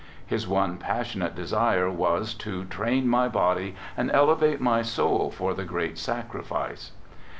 His one passionate desire was to " train my body and elevate my soul for the great sacrifice."